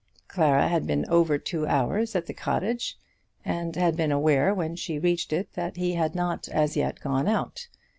Clara had been over two hours at the cottage, and had been aware when she reached it that he had not as yet gone out.